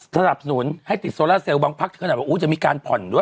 ถ้าหลับหนูนให้ติดโซลาเซลต์บางพักเธอถ้าหากดูจะมีการผ่อนด้วย